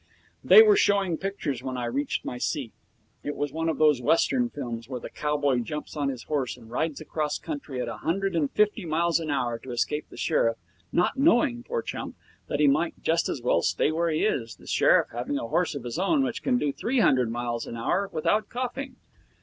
They were showing pictures when I reached my seat. It was one of those Western films, where the cowboy jumps on his horse and rides across country at a hundred and fifty miles an hour to escape the sheriff, not knowing, poor chump! that he might just as well stay where he is, the sheriff having a horse of his own which can do three hundred miles an hour without coughing.